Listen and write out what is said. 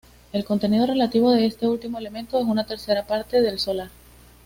El contenido relativo de este último elemento es una tercera parte del solar.